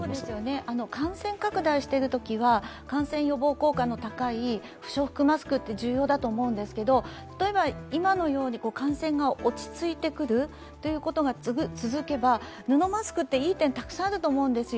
感染拡大しているときは感染予防効果の高い不織布マスクは重要だと思うんですけれども、例えば今のように感染が落ち着いてくることが続けば、布マスクっていい点、たくさんあると思うんですよ。